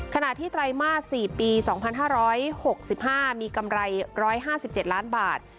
ขณะที่ไตรมาสสี่ปีสองพันห้าร้อยหกสิบห้ามีกำไรร้อยห้าสิบเจ็ดล้านบาท